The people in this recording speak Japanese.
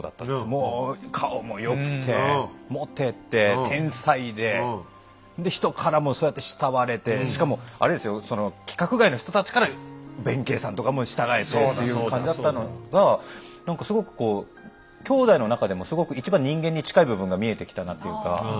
もう顔も良くてモテて天才でで人からもそうやって慕われてしかもあれですよその規格外の人たちから弁慶さんとかも従えてという感じだったのが何かすごくこう兄弟の中でもすごく一番人間に近い部分が見えてきたなっていうか